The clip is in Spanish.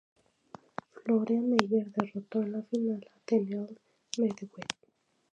Florian Mayer derrotó en la final a Daniil Medvedev.